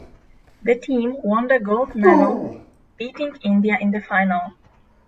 The team won the gold meal beating India in the final.